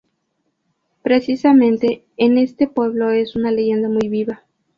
Precisamente en este pueblo es una leyenda muy viva.